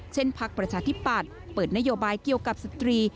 พักประชาธิปัตย์เปิดนโยบายเกี่ยวกับสตรี